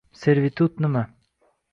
Servitut nima?